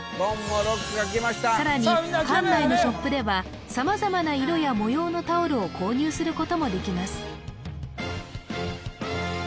さらに館内のショップでは様々な色や模様のタオルを購入することもできます